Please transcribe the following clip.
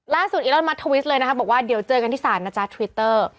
ล่าสุดอิลลอทมัสทวิสเลยนะครับบอกว่าเดี๋ยวเจอกันที่สารนะจ๊ะทวิตเตอร์